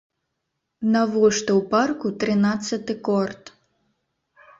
Навошта ў парку трынаццаты корт?